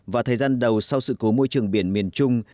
và thời gian đầu sau sự cố môi trường biển miền trung